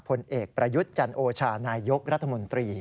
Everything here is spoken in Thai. ผลเอกประยุทธ์จันโอชานายยกรัฐมนตรี